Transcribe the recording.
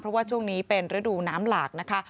เพราะว่าช่วงนี้เป็นฤดูน้ำหลากนะคะ